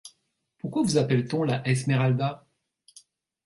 Pourquoi vous appelle-t-on la Esmeralda ?